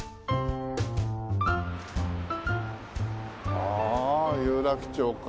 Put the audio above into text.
ああ有楽町か。